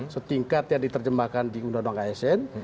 setingkat yang diterjemahkan di undang undang asn